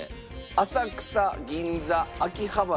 浅草銀座秋葉原